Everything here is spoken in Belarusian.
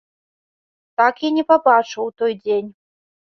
Так і не пабачыў у той дзень.